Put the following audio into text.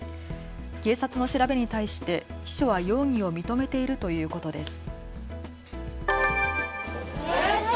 警察の調べに対して秘書は容疑を認めているということです。